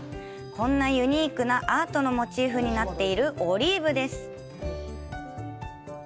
こんなユニークなアートのモチーフになっているオリーブです。